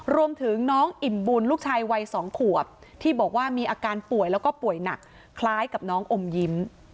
รวมถึงน้องอิ่มบุญลูกชายวัย๒ขวบที่บอกว่ามีอาการป่วยแล้วก็ป่วยหนักคล้ายกับน้องอมยิ้ม